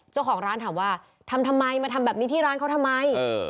เจ้าของร้านถามว่าทำทำไมมาทำแบบนี้ที่ร้านเขาทำไม